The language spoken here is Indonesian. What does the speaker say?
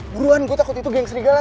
buruan gue takut itu geng serigala